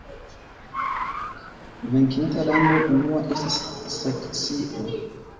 Venkinta lando unua estis Saksio.